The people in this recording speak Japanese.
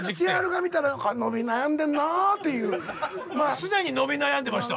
すでに伸び悩んでました？